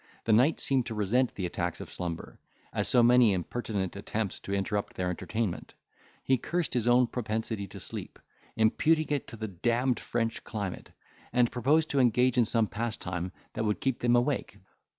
The knight seemed to resent the attacks of slumber, as so many impertinent attempts to interrupt their entertainment; he cursed his own propensity to sleep, imputing it to the d— ed French climate, and proposed to engage in some pastime that would keep them awake.